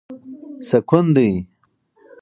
سکون دی.